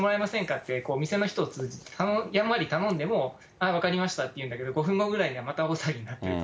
って、店の人を通じてやんわり頼んでも、ああ、分かりましたって言うんだけども、５分後ぐらいにはまた大騒ぎになってると。